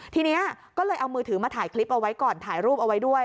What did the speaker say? ทีนี้ก็เลยเอามือถือมาถ่ายคลิปเอาไว้ก่อนถ่ายรูปเอาไว้ด้วย